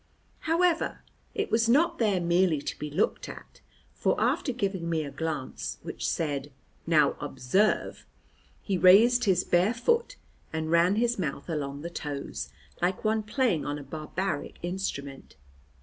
However, it was not there merely to be looked at, for after giving me a glance which said "Now observe!" he raised his bare foot and ran his mouth along the toes, like one playing on a barbaric instrument.